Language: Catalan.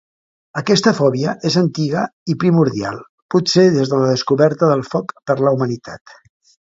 Aquesta fòbia és antiga i primordial, potser des de la descoberta del foc per la humanitat.